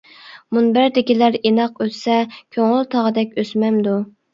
مۇنبەردىكىلەر ئىناق ئۆتسە، كۆڭۈل تاغدەك ئۆسمەمدۇ.